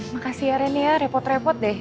makasih ya ren ya repot repot deh